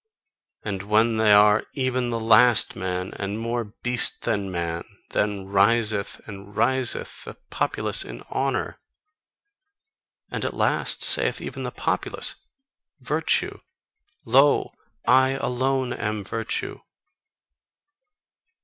And when they are even the last men, and more beast than man, then riseth and riseth the populace in honour, and at last saith even the populace virtue: 'Lo, I alone am virtue!